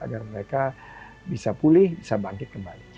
agar mereka bisa pulih bisa bangkit kembali